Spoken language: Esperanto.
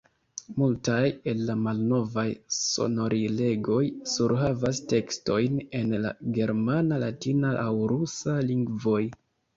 Multaj el la malnovaj sonorilegoj surhavas tekstojn en la germana, latina aŭ rusa lingvoj.